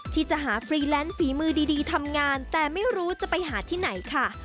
ที่จะหาฟรีแลนซ์ฝีมือดีทำงานแต่ไม่รู้จะไปหาที่ไหนค่ะ